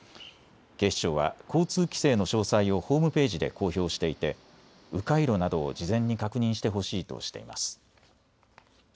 警視庁は交通規制の詳細をホームページで公表していてう回路などを事前に確認してほしいとしています。